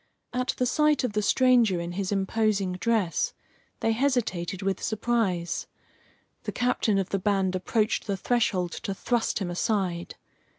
At the sight of the stranger in his imposing dress they hesitated with surprise. The captain of the band approached the threshold to thrust him aside.